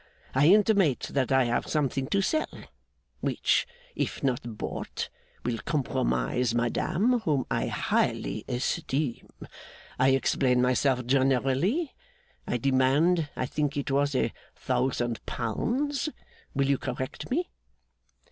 I intimate that I have something to sell, which, if not bought, will compromise madame whom I highly esteem. I explain myself generally. I demand I think it was a thousand pounds. Will you correct me?